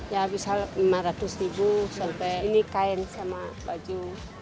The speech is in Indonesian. ya bisa lima ratus ribu sampai ini kain sama baju